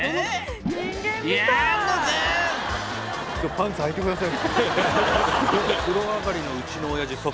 パンツはいてください